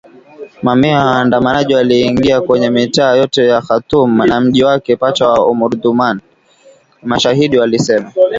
Mamia ya waandamanaji waliingia kwenye mitaa yote ya Khartoum na mji wake pacha wa Omdurman, mashahidi walisema